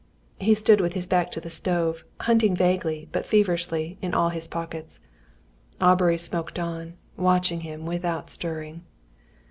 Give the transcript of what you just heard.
He stood with his back to the stove, hunting vaguely, but feverishly, in all his pockets. Aubrey smoked on, watching him without stirring.